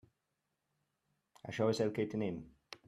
Això és el que tenim.